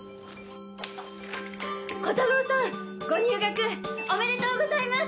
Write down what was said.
コタローさんご入学おめでとうございます！